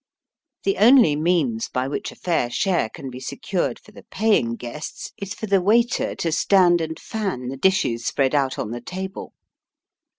The only means by which a fair share can be secured for the paying guests is for the waiter to stand and fan the dishes spread out on the table.